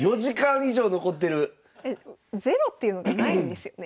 ゼロっていうのがないんですよね。